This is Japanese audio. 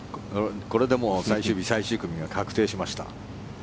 これで最終日、最終組が確定しました。